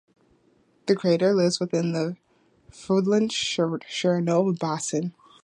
The crater lies within the Freundlich-Sharonov Basin.